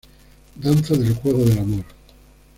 Danza Del Juego Del Amor.